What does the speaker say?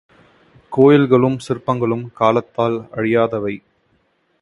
கோயில்களும், சிற்பங்களும் காலத்தால் அழியாதவை.